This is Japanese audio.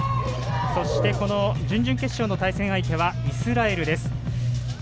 そしてこの準々決勝の対戦相手はイスラエルです。